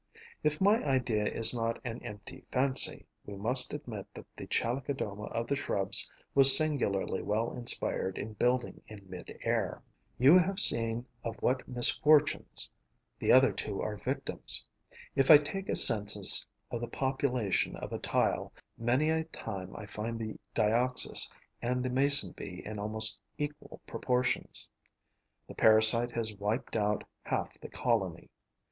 If my idea is not an empty fancy, we must admit that the Chalicodoma of the Shrubs was singularly well inspired in building in mid air. You have seen of what misfortunes the other two are victims. If I take a census of the population of a tile, many a time I find the Dioxys and the Mason bee in almost equal proportions. The parasite has wiped out half the colony.